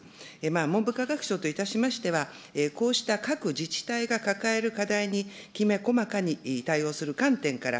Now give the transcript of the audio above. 文部科学省といたしましては、こうした各自治体が抱える課題にきめ細かに対応する観点から、